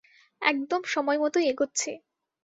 একদম সময়মতোই এগোচ্ছি।